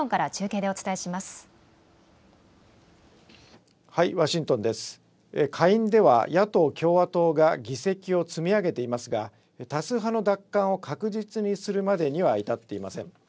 下院では野党・共和党が議席を積み上げていますが多数派の奪還を確実にするまでには至っていません。